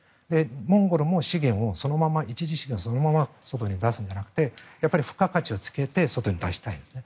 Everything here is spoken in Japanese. モンゴルも資源を、そのまま一次資源をそのまま外に出すんじゃなくて付加価値をつけて外に出したいんですね。